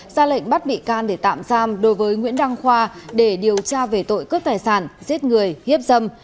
ra lệnh bắt bị can để tạm giam đối với nguyễn đăng khoa để điều tra về tội cướp tài sản giết người hiếp dâm